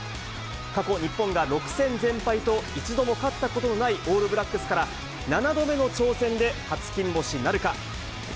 過去、日本が６戦全敗と、一度も勝ったことのないオールブラックスから７度目の挑戦で初金星なるか。